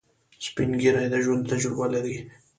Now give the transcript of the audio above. سپین ږیری د ژوند تجربه لري